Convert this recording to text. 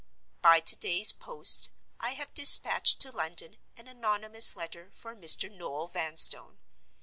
By to day's post I have dispatched to London an anonymous letter for Mr. Noel Vanstone.